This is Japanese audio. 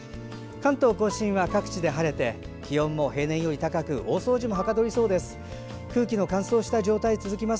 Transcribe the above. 関東・甲信は日中では各地で晴れて気温も平年より高く大掃除もはかどりそうです。